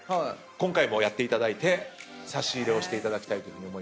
今回もやっていただいて差し入れをしていただきたいと。